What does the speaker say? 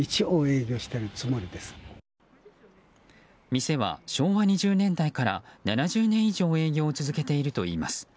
店は昭和２０年代から７０年以上営業を続けているといいます。